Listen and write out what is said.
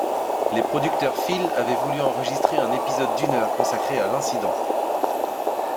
Les producteurs Phil avaient voulu enregistrer un épisode d'une heure consacré à l'incident.